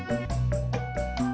kamu sama amin